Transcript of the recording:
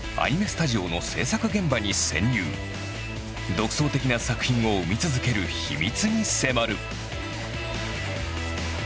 独創的な作品を生み続ける秘密に迫る！